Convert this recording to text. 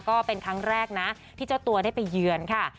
ก็เป็นครั้งแรกนะที่เจ้าตัวได้ไปเยือนค่ะ